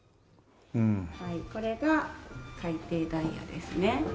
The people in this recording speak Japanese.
これが海底ダイヤですね。